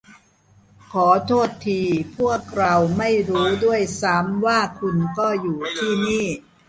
ขอโทษที พวกเราไม่รู้ด้วยซ้ำว่าคุณก็อยู่ที่นี่